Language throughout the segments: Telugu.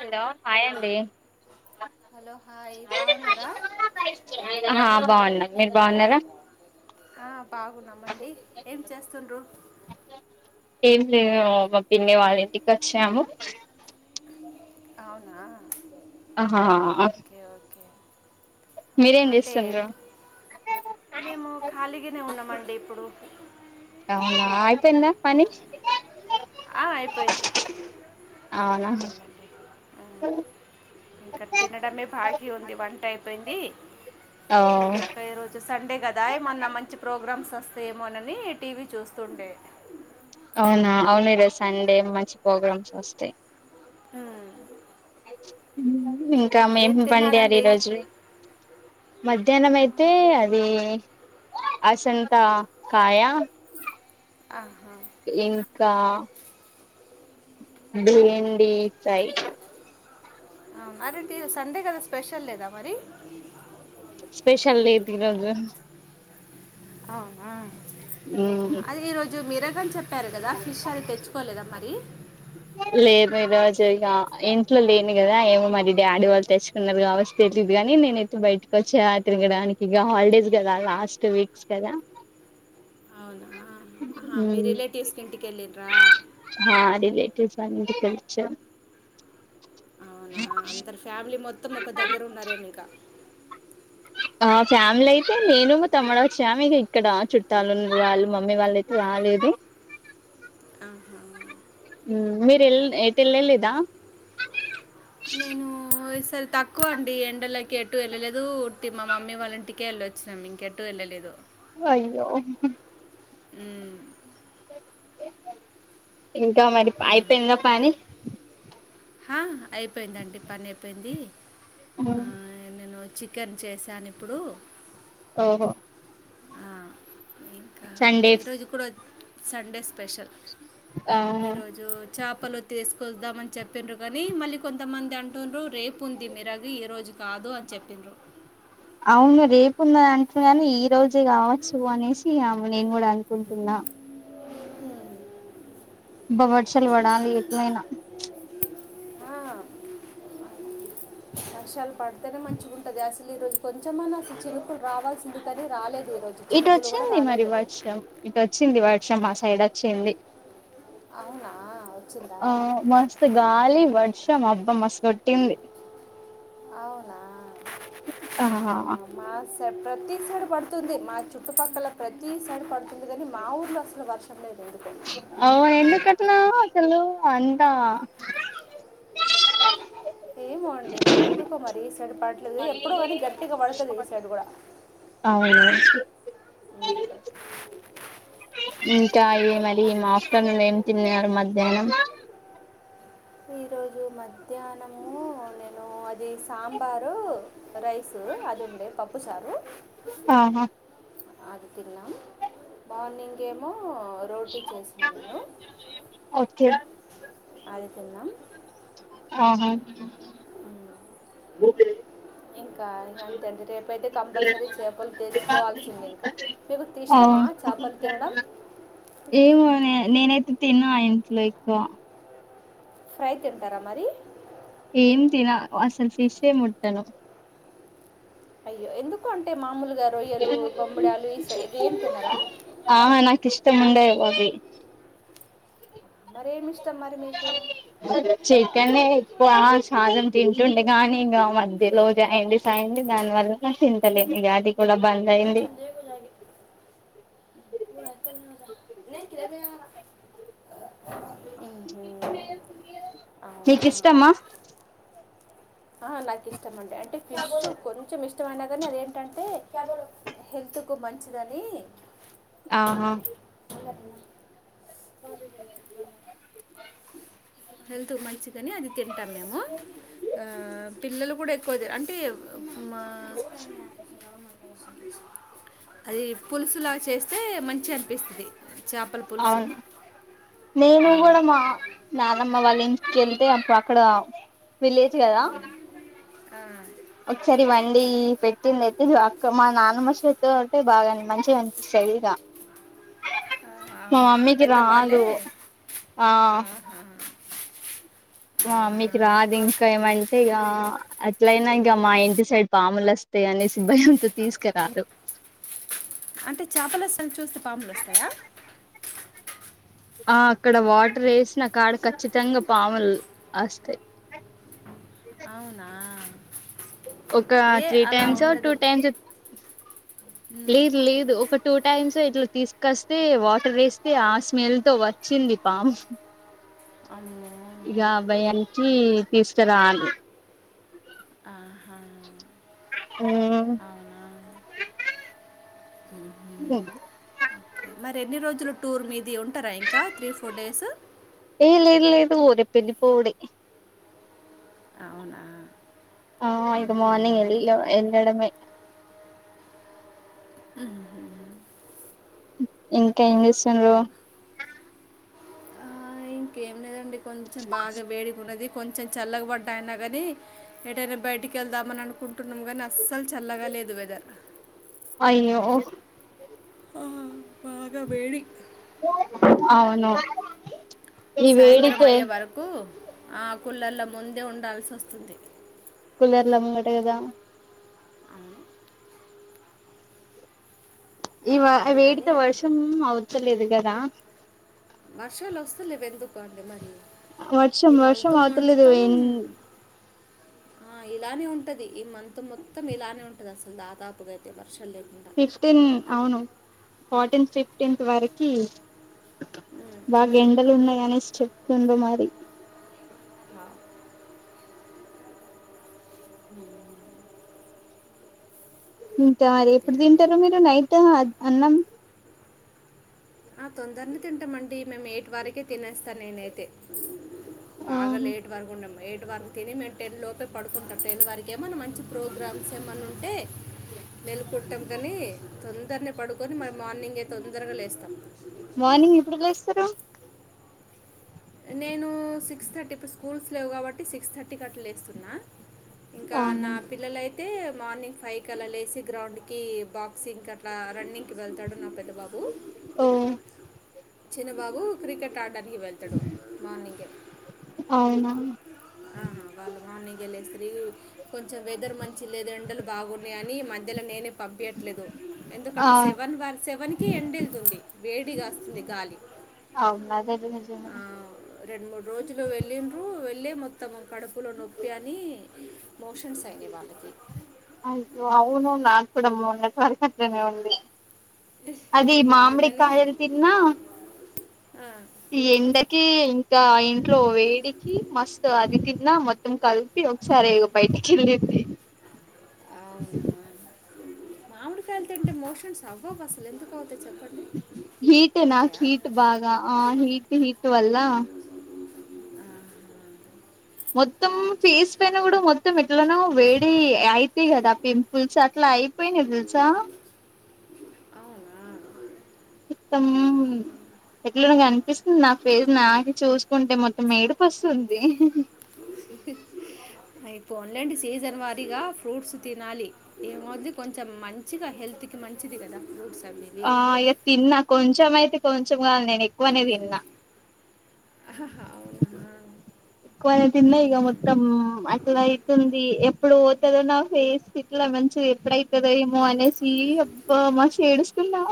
హలో హాయ్ అండి హలో హాయ్ బాగున్నారా హా బావున్నా మీరు బావున్నారా ఆ బాగున్నామండి ఏం చేస్తుండ్రు ఏం లేదు మా పిన్ని వాళ్ళింటికచ్చాము అవునా ఆహా ఆస్ ఓకే ఓకే అంటే మేము ఖాళీగానే ఉన్నామండి ఇప్పుడు అవునా ఐపోయిందా పని ఆ అయిపోయింది అయిపోయిందండి అ ఇంక తినడమే బాగీ ఉంది వంట అయిపోయింది ఓ ఇంకా ఈరోజు సండే కదా ఏమన్నా మంచి ప్రోగ్రామ్స్ వొస్తే మోనని టీ వీ చూస్తుండే అవునా అవును ఈరోజు సండే మంచి ప్రోగ్రామ్స్ వొస్తే ఉమ్ ఇంకా ఉమ్, ఏం మేము వండారు ఈ తిన్నారండి రోజు ధ్యానం అయితే అది ఆసంతా కాయ ఆహా ఇంకా బెండి ఫ్రై ఆ అదేంటి సండే కదా స్పెషల్ లేదా మరి స్పెషల్ లేదు ఈరోజు అవునా అది ఈ రోజు మీరా గన్ చెప్ ప్పారు కదా ఫిష్ అది తెచ్చుకోలేదా మరి లేదు ఈ రోజు ఇగ ఇంట్లో లేను గదా ఏమో మరి డాడీ వాళ్ళు తెచ్చుకున్నారు కావచ్చు తెలిదు గానీ నేనైతే బయటకి వచ్చా తిరగడానికి ఇగ హాలిడేస్ గదా లాస్ట్ వీక్స్ కదా అవునా హా మీ రిలేటివ్స్ కింటికి ఎళ్లిర్రా ఎంటి కనిపిచ్చా అవునా అంతరు ఫ్యామిలీ మొత్తం ఒక దగ్గర ఉన్నారే ఇక మా ఫ్యామిలీ అయితే నేను మా తమ్మడు వచ్చాము ఇక ఇక్కడ చుట్టాలు ఉన్నారు మమ్మీ వాళ్ళ అయితే రాలేదు. [inaudible] ఆహా. ఉమ్ మీరు వెళ్ళ ఎ ఎటు వెళ్ళలేదా నేను ఈసారి తక్కువ అండి ఎండలకి ఎటు వెళ్ళలేదు ఉట్టి మా మమ్మీ వాళ్ళ ఇంటికే వెళ్ళొచ్చినాం ఇంకెటు వెళ్ళలేదు. అయ్యో ఉమ్ ఇంకా మరి అయిపోయిందా పని ఆ అయిపోయిందండి పని అయిపోయింది. ఉమ్ ఆ, నేను చికెన్ చేశాను ఇప్పుడు. ఓహో ఆ, ఇంకా సండే ఈరోజు కూడా సండేస్ స్పెషల్ ఆ ఈరోజు చేపలు తీసు కోదాం అని చెప్ప్రారు కాగానీ మళ్ళీ కొంతమంది అంటున్నారు. రేపు ఉంది మీరాగి ఈ రోజు కాదు అని చెప్పిండ్రు. అవును రేపు ఉంది అంటున్నాని ఈ రోజు కావచ్చు అనేసి నేను కూడా అనుకుంటున్నా. అ [inaudible] అబ్బా వర్షాలు పడాలి ఎట్లా అయినా ఆ వర్షాలు పడితేనే మంచిగా ఉంటది అసలు ఈ రోజు కొంచెంమన్నా అసలు చినుకులు రావాల్సింది కానీ రాలేదు. ఈరోజు ఇటు చినుకులు కూడా వచ్చింది మరి రాలేదు వర్షం ఇటు వచ్చింది వర్షం మా సైడ్ వచ్చింది. అవునా వచ్చిందా ఆ మస్తు గాలి, వర్షం అబ్బా మస్తు కొట్టింది. [inaudible] ఆహా, ఆ మా ప్రతి సైడ్ పడుతుంది మా చుట్టుపక్కల ప్రతి సైడ్ పడుతుంది కాని మా ఊర్లో అసలు వర్షం లేదు ఎందుకు అ ఓ ఎందుకు అట్లా చలో అందా ఏమో అండి మరి ఎందుకో మరి ఈ సైడ్ పడట్లేదు ఎప్పుడు కానీ గట్టిగా పడుతది ఈ సైడ్ కూడా అవును అమ్ ఇంకా ఏ మది మా ఆఫ్టర్నూన్ ఏం తిన్నారు మధ్యాహ్నం ఈ రోజు మధ్యాహ్నము నేను అది సాంబారు రైసు అది ఉండే పప్పుసారు ఆహా అది తిన్నాం మార్నింగ్ ఏమో రోటీ చేసిన నేను ఓకే అది తిన్నాం ఆహా ఇంకా అంతే అండి రేపు అయితే కంపల్సరీ చేపలు తెచ్చుకోవాల్సింది ఇంకా మీకు తిష్టం ఆ ఏం నేనైతే తిన్నా ఇంట్లో ఎక్కువ ఫ్రై తింటారా మరి ఏం తిన అసలు ఫిషే ముట్టను అయ్యో ఎందుకు అంటే మామూలు గా రొయ్యలు బొమ్బడాలు ఈస ఇవేం తినరా ఆమె నాకు ఇష్టం ఉండేవి అవి మరేమి ఇ చికెనే ప్రాన్స్ ఆజం తింటుంటే గాని ఇంగ ఆ మధ్యలో జాండీస్ అయ్యింది దానివల్ల తింటలేను ఇగ అది కూడా బంద్ అయింది [unintelligible] మ్హూ. అవునా నీకిష్టమా ఆ నాకు ఇష్టమండి అంటే ఫిష్ కొంచెం ఇష్టమైన కానీ అదేంటంటే హె ల్త్కు మంచిదని ఆహా హెల్త్‌కు మంచిదని అది తింటాం మేము ఆ పిల్లలు కూడా ఎక్కువ అది అంటే మా అది పులుసులా చేస్తే మంచిగ అనిపిస్తుంది చాపలు పులుసు మేము ఆ, కూడా మా నానమ్మ వాళ్ళ ఇంటికేళ్తే అప్పుడు అక్కడ విలేజ్ కదా ఆ, ఒకసారి వండి పెట్టింది అయితే నేఅక్క మా నానమ్మ సేతే అంటే బాగా మంచిగనిపిస్తాది ఇగ ఆ అవును పెద్దవాళ్ళే ఆ ఆహా ఆ అవునా మీకు రాదు ఇంకా ఏమంటే ఇక వస్తాయ్ అనేసి భయంతో తీసుకురారు అంటే చేపల [unintelligible] చూస్తే పాములు వస్తాయా ఆ అక్కడ వాటర్ ఎసిన కాడ ఖచ్చితంగా పాములు వస్తాయి అవునా ఒక ఏ త్రీ అలా టైమ్స్ ఓ టూ ఉండదు టైమ్స్ లేదు లేదు ఒక టూ టైమ్స్ ఇట్లా తీసుకొస్తే వాటర్ ఎస్తే ఆ స్మెల్ తో వచ్చింది పాము అమ్మో ఇగ ఆ భయానికి తీసుకురాలే అహా అవునా మరి ఎన్ని రోజులు టూర్ మీది ఉంటారా ఇంకా త్రీ ఫోర్ డేస్ టూ రేపు ఎళ్ళిపోవుడే అవునా ఆ ఇగ మ్మ్హ్మ్. మార్నింగ్ ఎల్ ఎళ్లడమే ఇంకేం చేస్తుండ్రు ఆ, ఇంకేం లేదండి కొంచెం బాగా వేడిగున్నది కొంచెం చల్లగబడ్డాయిన గాని ఏదైనా బయటికి వెళ్దామని అనుకుంటున్నాం గాని అస్సలు చల్లగా లేదు వెదర్ అయ్యో ఆహా బాగా వేడి అవును ఈ సాయంత్రం వేడికే అయ్యే వరకు ఆ కుళ్ళల ముందే ఉండాల్సి వస్తుంది కూలర్ల ముంగటే కదా అవునా ఇవా అందుకని వేడితో ఎటు వర్షం అవతలేదు కదా వర్షాలు వస్తలేవు ఎందుకు అండి మరి వర్షం ఈ వర్షం మంత్ అవతలేదు మొత్తం ఇన్ ఆ ఇలానే ఉంటది ఈ మంత్ మొత్తం ఇలానే ఉంటది అసలు దాదాపుగా అయితే వర్షం లే ఫిఫ్టీన్ అవును ఫోర్టీన్త్ ఫిఫ్టీన్త్ వరకి బాగ ఎండలు ఉన్నాయిగాని చెప్తుండో మరి ఉమ్. హ ఇంత అదే ఎప్పుడు అండి తింటారు మీరు నైటు అన్నం ఆ తొందరనే తింటామండి మేము ఎయిట్ వరకే తినేస్తా నేనైతే బాగా ఆహా లేట్ పడుకున్నాం లేట్ వారు తిని మేము టెన్ లోపే పడుకుంటాం టెన్ వరకే ఏమన్నా మంచి ప్రోగ్రామ్స్ ఏమన్నా ఉంటే మేలుకుంటాం కానీ తొందరనే పడుకొని మరి మార్నింగే తొందరగ లేస్తాం మార్నింగ్ ఎప్పుడు లేస్తారు నేను సిక్స్ థర్టీ ఇప్పుడు స్కూల్స్ లేవు కాబట్టి సిక్స్ థర్టీకి అట్ల లేస్తున్నా ఇంకా ఆహా నా పిల్లలయితే మార్నింగ్ ఫైవ్ క అలా లేసి గ్రౌండ్ కి బాక్సింగ్ కట్ అలా రన్నింగ్కి వెళ్తాడు నా పెద్ద బాబు ఓ చిన్నబాబు క్రికెట్ ఆడ్డానికి వెళ్తాడు మార్నింగే అవునా ఆహా వాళ్ళు మార్నింగ్ ఏ లేసిరి కొంచెం వెదర్ మంచి లేదు ఎండలు బాగున్నాయని మధ్యలో నేనే పంపియట్లేదు ఆ ఎందుకంటే శివ వన్ వార్ సెవెన్కి ఎండ్ వెళ్తుంది వేడిగాస్తుంది గాలి అవును అదజు ఆ రెండు మూడు రోజులు వెళ్ళిండ్రూ వె వెళ్ళి మొత్తం కడుపులో నొప్పి అని మోషన్స్ అయినాయి వాళ్ళకి ఆవ్ అవును నాక్కూడా మొన్నటి వరకు అట్లే ఉండి అది ఇక మామిడి అందుకనే కాయల్ తిన్నా ఆ, ఈ ఎండకి ఇంకా ఇంట్లో వేడికి మస్తు అది కింద మొత్తం కలిపి ఒకసారే ఇగ బయటికెళ్ళింది అవునా మామిడికాయలు తింటే మోషన్స్ అవ్వవు అసలు ఎందుకు అవుతాయి చెప్పండి హీట్ నాకు అవుతాయా హీట్ బాగా ఆ హీట్ హీట్ అల్ల మొత్తం ఫేస్ పైన కూడా మొత్తం ఎట్లనో వేడి అయితే కదా పింపుల్స్ అట్లా అయిపోయినాయి తెల్స అవునా ఇత్తమ్ ఎట్లనో అనిపిస్తుంది నాకు ఫేజ్ నాకు చూసుకుంటే మొత్తం ఏడుపు వస్తుంది అయి పోన్లెండి సీజన్ వారీగా ఫ్రూట్స్ తినాలి ఏమవుద్ది కొంచెం మంచిగా హెల్ హెల్త్ కి మంచిది కదా ఫ్రూట్స్ అవి ఇవి ఆ అయ్య తిన్నా కొంచెమయితే కొంచెం [inaudible] నేను ఎక్కువనే తిన్నా ఆహా, అవునా ఎక్కువనే తిన్నాయిగా మ్మ్. మొత్తం అట్లా అయితుంది ఎప్పుడు పోతదో నా ఫేస్ ఇట్ల మెత్ మంచిగా ఎప్పుడైతధో ఏమో అనేసి అబ్బ మస్తు ఏడుస్తున్నా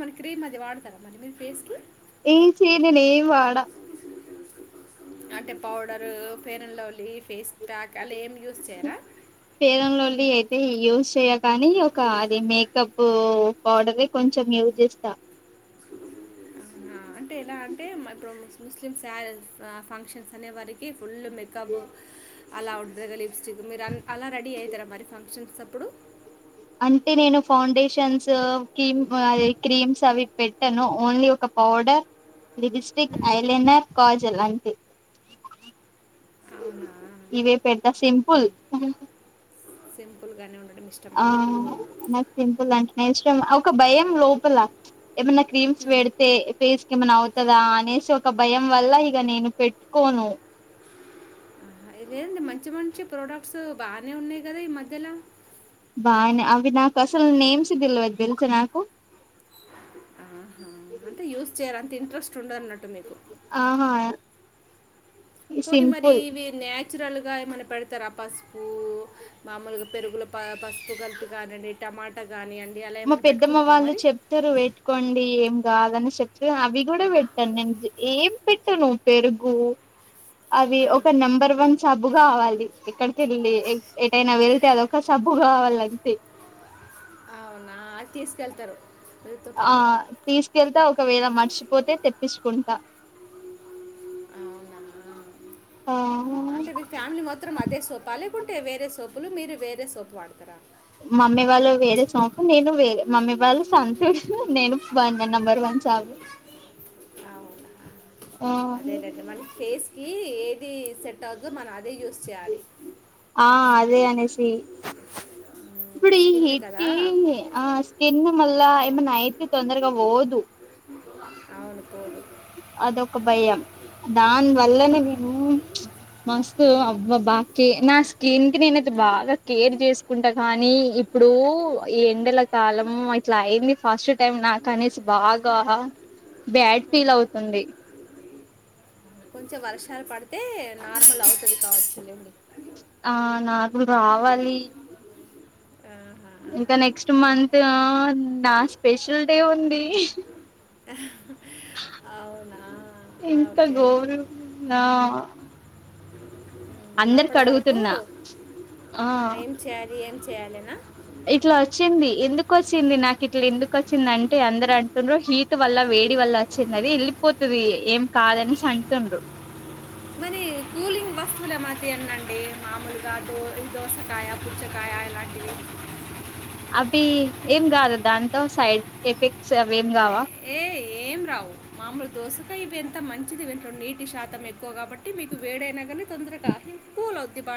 మలి క్రీమ్ అది వాడతారా మరి మీరు ఫేస్ కి ఏ చీ నేను ఏం వాడా అంటే పౌడరు పేరన్ లవలీ ఫేస్ ప్యాక్ అలా ఏమి యూజ్ చేయరా ఫేర్ అన్ లవ్లీ అయితే యూజ్ చేయ కానీ ఒక అది మేకప్పు పౌడరే కొంచెం యూజ్ చేస్తా ఆ అంటే ఎలా అంటే మా ఇప్పుడు ముస్లింస్ ఫంక్షన్స్ అనే వారికి ఫుల్ మేకప్ అలా ఉంటది లిప్స్టిక్ మీరు అలా రెడీ అవుతారా మరి ఫంక్షన్స్ అప్పుడు అంటే నేను ఫౌండేషన్స్ కీమ్ అద క్రీమ్స్ అవి పెట్టాను ఓన్లీ ఒక powder lipstick um, eyeliner kajal అంతే అవునా ఇవే పెడతా సింపుల్ ఫుల్ గానే ఆ నాకు సింపుల్ అంటే ఇష్టం ఒక భయం లోపల ఏమన్నా క్రీమ్స్ పెడితే ఫేస్ ఏమనా అవుతదా అనేసి ఒక భయం వల్ల ఇగ నేను పెట్టుకోను లేదు మంచి మంచి ప్రోడక్ట్స్ బాగానే ఉన్నాయి కదా ఈ మధ్యల బానే అవి నాకు అసలు నేమ్స్ తెలవదు తెలుస నాకు ఆహా అంటే యూస్ చేయార అంటే ఇంట్రెస్ట్ ఉండదన్నట్టు మీకు ఆహా పోని మరి సింపుల్ ఇవి నాక్ నాచురల్ గా ఏమైనా పెడతార పసుపు మామూలుగా పెరుగుల పసుపు కలిపి కానిండి టమాట గాని అంటే మా పెద్దమ్మ వాళ్ళు చెప్తారు పెట్టుకోండి ఏం కాదని చెప్ అవి గుడా పెట్టాను నేను ఏం పెట్టాను పెరుగు అవి ఆ, ఒక నెంబర్ వన్ సబ్బు కావాలి ఎక్కడికెళ్ళి ఎటైనా వెలితే అదొక సబ్బు కావాలంతే అవునా తీసుకెళ్తారు మీతో ఆ పాటు తీసుకెళ్తా ఒకవేళ మర్చిపోతే తెప్పించుకుంటా అవునా ఆ అంటే మీ ఫ్యామిలీ మాత్రం అదే సోపా లే లేకుంటే వేరే సోపులు మీరు వేరే సోపు వాడతారా మమ్మీ వాళ్ళు వేరే సొపు నేను వే మమ్మీ వాళ్ళు సం నేను వాడిన నంబర్ వన్ సాబు అవునా అదేనండి మన ఫేస్ కి ఏది సెట్ అవుద్దో మనం అదే యూజ్ చేయాలే ఆ అదే అనేసి ఇప్పుడు ఈ హిట్కి ఆ స్కిన్ మల్ల ఏమన్నా అయితే తొందరగా పోదు అవును పోదు అదొక భయం దాని వల్లనే నేను మస్తు అవ్వ బాకే నా స్కిన్ కి నేనైతే బాగా కేర్ చేసుకుంటా కానీ ఇప్పుడు ఈ ఎండల కాలం ఇట్లా అయింది ఫస్ట్ టైం నాకనేసి బాగా బ్యాడ్ ఫీల్ అవుతుంది కొంచెం వర్షాలు పడితే నార్మల్ అవుతది కావచ్చులేండి ఆ నాకు రావాలి ఆహా. ఇంకా నెక్స్ట్ మంత్ నా స్పెషల్ డే ఉంది హా ఎంత ఓకే ఓకే ఘోరం ఆ ఉమ్, అందరికి అప్పటి వరకు అడుగుతున్నా ఆ ఆహా, ఏం చేయాలి ఏం చేయ్యాలనా ఇట్లా వచ్చింది ఎందుకు వచ్చింది నాకు ఇట్లా ఎందుకు వచ్చింది అంటే అందరు అంటుడ్రు హీట్ వల్ల వేడి వల్ల వచ్చింది అది వెళ్ళిపోతుంది ఏం కాదనేసి అంటుండ్రు మనీ కూలింగ్ వస్తువుల తీన్నండి మామూలుగా దో దోసకాయ పుచ్చకాయ ఆ ఇలాంటివి అవి ఏం కాదు దాంతో సైడ్ ఎఫెక్ట్స్ అవి ఏం కావా ఏ ఏం రావు మామూలు దోసకాయ ఇవి ఎంత మంచిది వింటడు నీటి శాతం ఎక్కువ కాబట్టి మీకు వేడైనా కానీ తొందరగా కూల్ అవుంది బాడీ